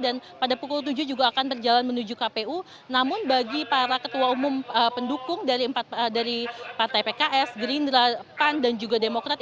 dan pada pukul tujuh juga akan berjalan menuju kpu namun bagi para ketua umum pendukung dari partai pks gerindra pan dan juga demokrat